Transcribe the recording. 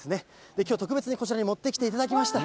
きょう、特別にこちらに持ってきていただきました。